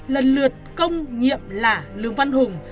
lần lượt công nhiệm lả lương văn hùng